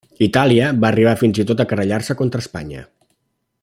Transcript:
Itàlia va arribar fins i tot a querellar-se contra Espanya.